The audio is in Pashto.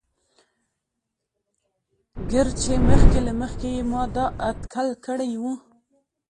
ګر چې مخکې له مخکې يې ما دا اتکل کړى وو.